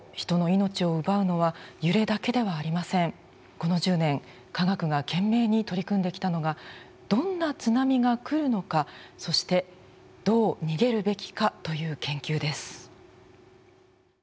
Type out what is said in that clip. この１０年科学が懸命に取り組んできたのがどんな津波が来るのかそしてどう逃げるべきかという研究です。